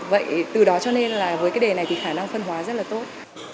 vậy từ đó cho nên là với cái đề này thì khả năng phân hóa rất là tốt